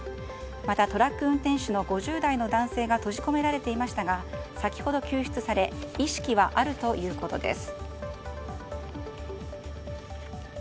また、トラック運転手の５０代の男性が閉じ込められていましたが先ほど救出され意識はあるということです。